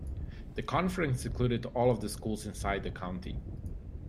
The conference included all of the schools inside the county.